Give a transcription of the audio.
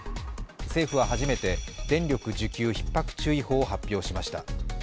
政府は初めて電力需給ひっ迫注意報を発表しました。